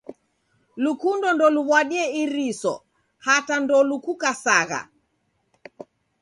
Llukundo ndeluw'adie iriso hata ndelukukasagha.